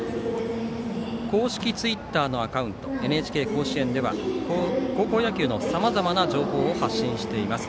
公式ツイッターのアカウント「ＮＨＫ甲子園」では高校野球のさまざまな情報を発信しています。